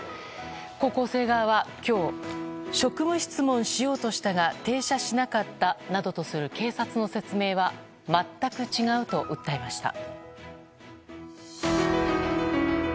高校生側は今日職務質問しようとしたが停車しなかったなどとする警察の説明は全く違うと訴えました。